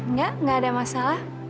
nggak nggak ada masalah